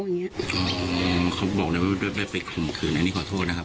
อ๋อเขาบอกว่าได้คมขืนอันนี้ขอโทษนะครับ